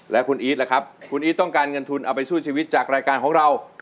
และคุณอีทล่ะครับคุณอีทต้องการเงินทุนเอาไปสู้ชีวิตจากรายการของเรา